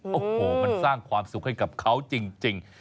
โอ้โหมันสร้างความสุขให้กับเขาจริง